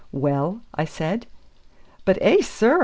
"Well?" I said. "But eh, sir!"